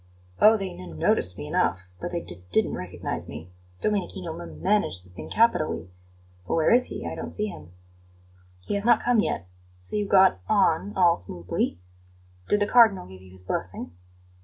"Oh, they n noticed me enough, but they d didn't recognize me. Domenichino m managed the thing capitally. But where is he? I don't see him." "He has not come yet. So you got on all smoothly? Did the Cardinal give you his blessing?"